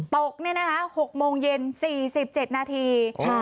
ตก๖โมงเย็น๔๗นาที